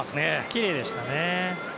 きれいでしたね。